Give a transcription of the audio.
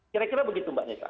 kira kira begitu mbak nisa